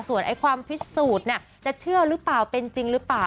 ส่วนความพิสูจน์จะเชื่อหรือเปล่าเป็นจริงหรือเปล่า